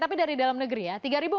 tapi dari dalam negeri ya